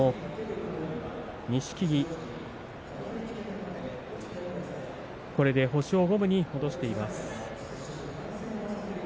錦木、これで星を五分に戻しています。